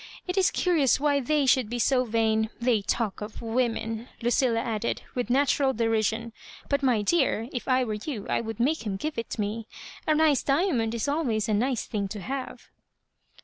It is curious why They should be so vain. They talk of women!" Lu cilla added, with natural derision ;" but, my dear, f I were you I would make him give it me ; a nice diamond is always a nice thing to have."